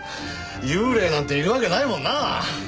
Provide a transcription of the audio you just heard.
幽霊なんているわけないもんなあ。